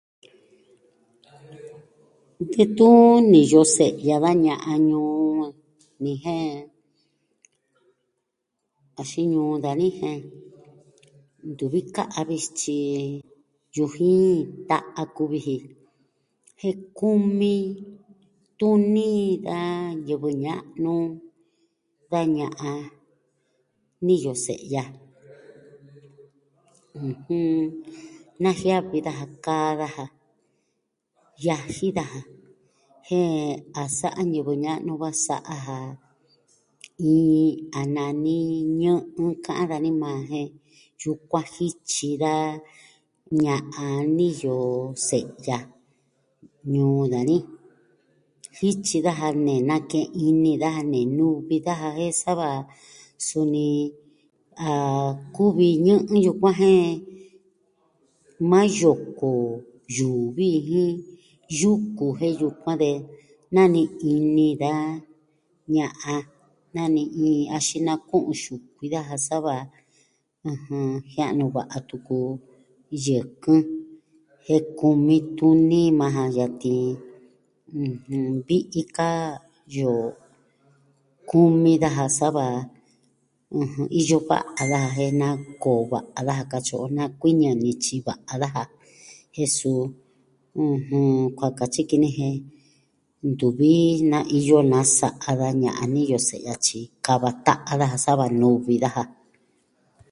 Detun niyo se'ya da ña'an ñuu ni, jen axin ñuu dani, jen ntuvi kaa a vi tyi yujin ta'a kuvi ji. Jen kumi tuni da ñivɨ ñanu da ña'an niyo se'ya. ɨjɨn, najiavi daja kaa daja, yaji daja, jen a sa'a ñivɨ ña'nu va sa'a ja iin a nani ñɨ'ɨ, ka'an dani majan, jen yukuan jityi da ña'an niyo se'ya, ñuu dani. Jityi daja ne nakee ini daja, ne nuvi daja, jen sa va a kuvi ñɨ'ɨ yukuan jen maa yoko, yuvi jin yuku jen yukuan de naa ni i'ni da ña'an na ni iin axin naku'un xukui daja sa va, ɨjɨn, jia'nu va'a tuku o yɨkɨn. jen kumi tuni majan yatin, vi'i ka yoo, Kumi daja sa va, ɨjɨn, iyo va'a daja jen nakoo va'a daja, katyi o nakuiñɨ nityi va'a daja. Jen suu kua katyi ki ni jen ntuvi naa iyo nasa'a da ña'an a niyo se'ya, tyi kava ta'an daja sa va nuvi daja.